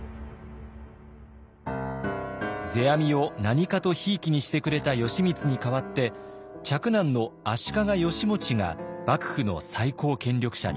世阿弥を何かとひいきにしてくれた義満に代わって嫡男の足利義持が幕府の最高権力者に。